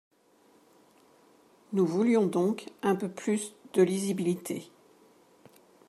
Nous voulions donc un peu plus de lisibilité.